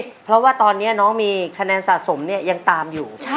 เพราะว่าตอนนี้น้องมีคะแนนสะสมเนี่ยยังตามอยู่